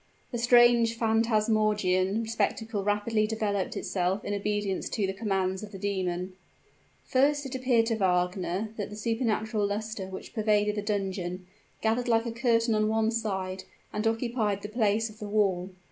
The strange phantasmagorian spectacle rapidly developed itself in obedience to the commands of the demon. First, it appeared to Wagner that the supernatural luster which pervaded the dungeon, gathered like a curtain on one side and occupied the place of the wall.